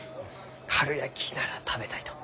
かるやきなら食べたいと。